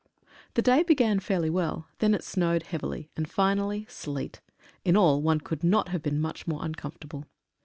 The day began fairly well, then it snowed very heavily, and finally sleet. In all one could not have been much more uncomfortable.